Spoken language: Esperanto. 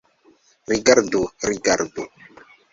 Rigardu, rigardu!